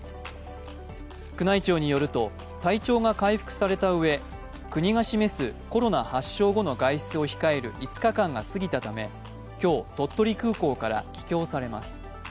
宮内庁によると体調が回復されたうえ国が指定するコロナ発症期間の５日間が過ぎたため、今日、鳥取空港から帰京されます。